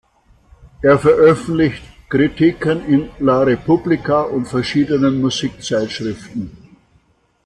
Er veröffentlicht Kritiken in "La Repubblica" und verschiedenen Musikzeitschriften.